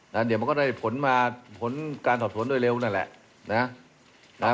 เดี๋ยวมันก็ได้ผลมาผลการสอบสวนโดยเร็วนั่นแหละนะ